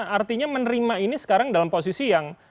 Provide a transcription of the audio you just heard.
artinya menerima ini sekarang dalam posisi yang